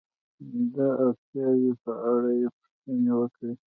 د اړتیاو په اړه یې پوښتنې وکړئ.